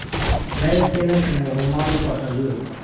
جارێکی تر نەچوومەوە بۆ ماڵی کوڕەخەزوورم.